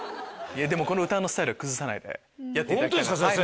この歌のスタイルは崩さないでやっていただきたい。